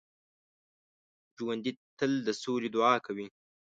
ژوندي تل د سولې دعا کوي